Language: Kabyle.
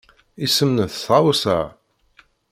Isem-nnes tɣawsa-a?